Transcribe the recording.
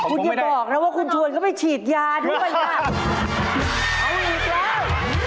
คุณอย่าบอกนะว่าคุณชวนก็ไปฉีดยาด้วยล่ะ